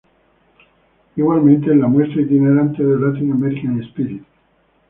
Igualmente en la muestra itinerante "The Latin American Spirit.